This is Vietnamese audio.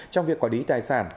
trong việc quả đí tài sản